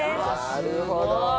なるほど。